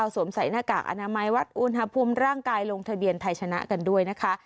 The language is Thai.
สวมใส่หน้ากากอนามัยวัดอุณหภูมิร่างกายลงทะเบียนไทยชนะกันด้วยนะคะ